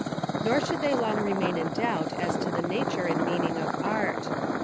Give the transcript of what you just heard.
Nor should they long remain in doubt as to the na ture and meaning of art.